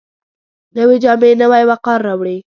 نوې جامې نوی وقار راوړي